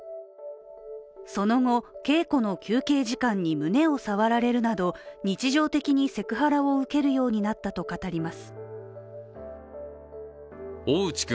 その後、稽古の休憩時間に胸を触られるなど日常的にセクハラを受けるようになったと語ります。